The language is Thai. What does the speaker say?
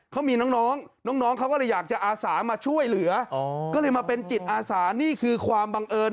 เขามีน้องน้องเขาก็เลยอยากจะอาสามาช่วยเหลือก็เลยมาเป็นจิตอาสานี่คือความบังเอิญ